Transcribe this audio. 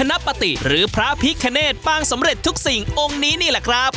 นปฏิหรือพระพิคเนตปางสำเร็จทุกสิ่งองค์นี้นี่แหละครับ